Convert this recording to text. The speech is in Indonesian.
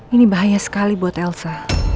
ini bahaya sekali buat elsa